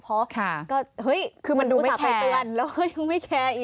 เพราะคือมันดูไม่แคร์คือมันดูสาปเตือนแล้วก็ยังไม่แคร์อีก